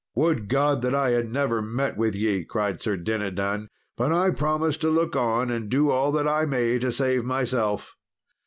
"Would God that I had never met with ye!" cried Sir Dinadan; "but I promise to look on and do all that I may to save myself."